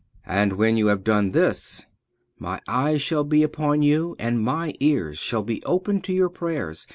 And when you have done this: My eyes shall be upon you, and My ears shall be open to your prayers.